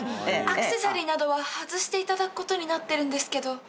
アクセサリーなどは外していただくことになってるんですけど。